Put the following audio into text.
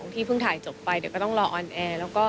ที่เพิ่งถ่ายจบไปเดี๋ยวก็ต้องรอออนแอร์